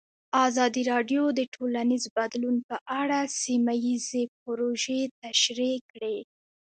ازادي راډیو د ټولنیز بدلون په اړه سیمه ییزې پروژې تشریح کړې.